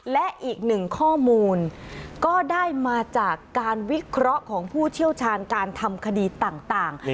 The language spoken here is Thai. และอีกหนึ่งข้อมูลก็ได้มาจากการวิเคราะห์ของผู้เชี่ยวชาญการทำคดีต่าง